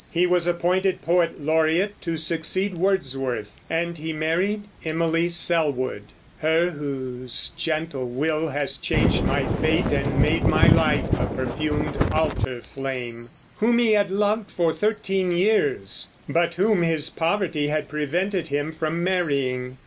He was appointed poet laureate, to succeed Wordsworth; and he married Emily Sellwood, Her whose gentle will has changed my fate And made my life a perfumed altar flame, whom he had loved for thirteen years, but whom his poverty had prevented him from marrying.